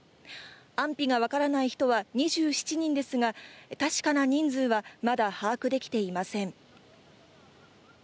安否が分からない人は２７人ですが、確かな人数はまだ把握できていません。